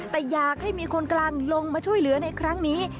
แต่อยากให้มีคนกลางลงมาช่วยเหลือในครั้งนี้